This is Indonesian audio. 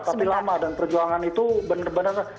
tapi lama dan perjuangan itu benar benar